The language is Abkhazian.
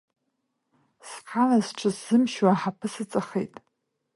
Схала сҽысзымшьуа аҳаԥы сыҵахеит.